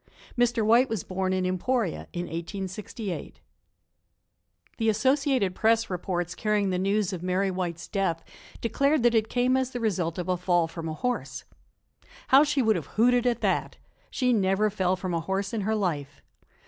Mr. White was born in Emporia in 1868. THE Associated Press reports carrying the news of Mary White's death declared that it came as the result of a fall from a horse. How she would have hooted at that! She never fell from a horse in her life.